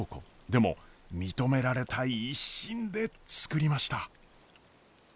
でも認められたい一心で作りました。